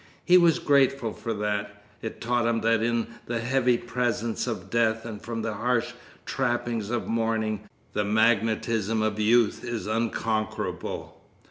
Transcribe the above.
He was grateful for that. It taught him that in the heavy presence of death and from the harsh trappings of mourning the magnetism of youth is unconquerable.